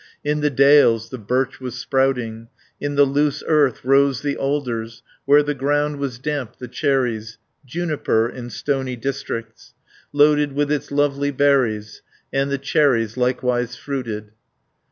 In the dales the birch was sprouting, In the loose earth rose the alders, Where the ground was damp the cherries, Juniper in stony districts, 40 Loaded with its lovely berries; And the cherries likewise fruited.